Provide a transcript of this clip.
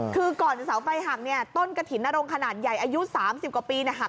คือก่อนเสาไฟหักเนี่ยต้นกระถิ่นนรงขนาดใหญ่อายุ๓๐กว่าปีเนี่ยหัก